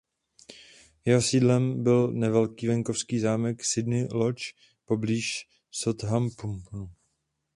Jeho sídlem byl nevelký venkovský zámek "Sydney Lodge" poblíž Southamptonu.